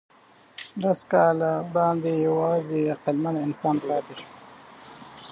لسزره کاله وړاندې یواځې عقلمن انسان پاتې شو.